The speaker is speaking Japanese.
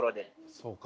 そうか。